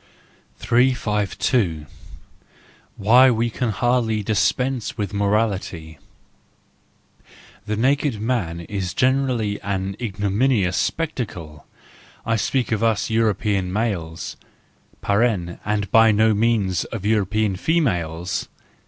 — 35 2 Why we can hardly Dispense with Morality .— The naked man is generally an ignominious spectacle—I speak of us European males (and by no means of European females!).